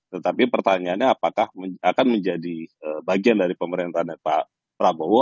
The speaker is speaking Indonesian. tetapi pertanyaannya apakah akan menjadi bagian dari pemerintah pak prabowo